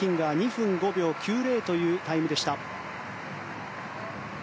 ２分５秒９０というタイムです。